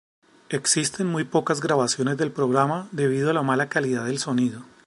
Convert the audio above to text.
Existen muy pocas grabaciones del programa debido a la mala calidad del sonido.